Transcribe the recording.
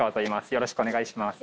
よろしくお願いします。